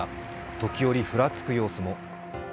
時折、ふらつく様子も。